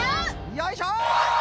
よいしょ！